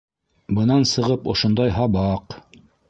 Бынан сығып, ошондай һабаҡ...